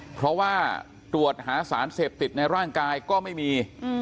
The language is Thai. เพราะว่าตรวจหาสารเสพติดในร่างกายก็ไม่มี